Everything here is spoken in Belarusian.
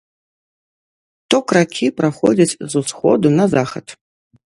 Ток ракі праходзіць з усходу на захад.